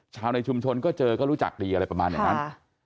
ชาวในชุมชนเจอก็รู้จักดีอะไรประมาณแบบนั้น